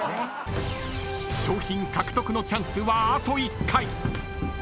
［賞品獲得のチャンスはあと１回］